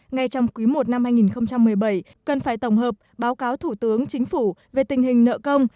ngay trong quý i năm hai nghìn một mươi bảy cần phải tổng hợp báo cáo thủ tướng chính phủ về tình hình nợ công